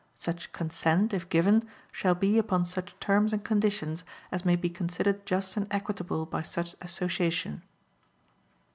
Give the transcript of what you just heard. Such consent, if given, shall be upon such terms and conditions as may be considered just and equitable by such Association.